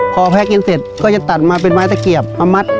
พอแพ้กินเสร็จก็จะตัดมาเป็นไม้ตะเกียบมามัด